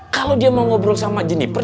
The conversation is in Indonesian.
kalau dia mau ngobrol sama jeniper